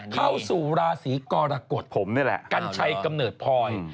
เข้าสู่ราศรีกรกฎกัญชัยกำเนิดพลอย